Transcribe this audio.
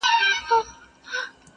• شيطاني پاڼي يې كړلې لاندي باندي -